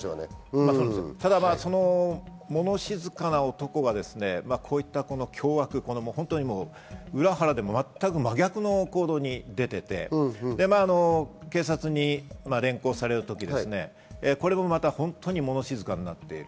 ただ、その物静かな男が裏腹で全く真逆の行動に出ていて、警察に連行されるときこれもまた、本当に物静かになっている。